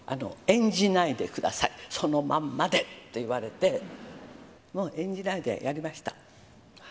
演じないでください、そのまんまでと言われて、もう演じないでやりました。